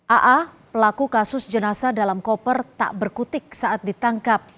aa pelaku kasus jenasa dalam koper tak berkutik saat ditangkap